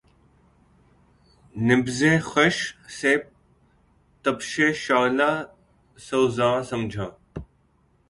نبضِ خس سے تپشِ شعلہٴ سوزاں سمجھا